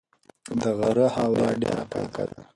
د غره هوا ډېره پاکه ده.